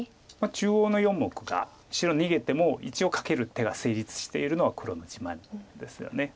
中央の４目が白逃げても一応カケる手が成立しているのは黒の自慢ですよね。